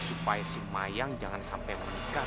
supaya si mayang jangan sampai menikah